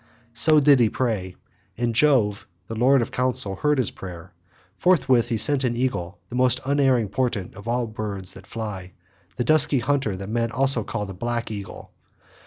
So did he pray, and Jove the lord of counsel heard his prayer. Forthwith he sent an eagle, the most unerring portent of all birds that fly, the dusky hunter that men also call the Black Eagle.